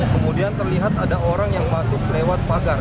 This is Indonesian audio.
kemudian terlihat ada orang yang masuk lewat pagar